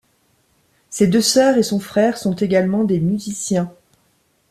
Ses deux sœurs et son frère sont également des musiciens.